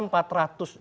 jadi dengan perbedaan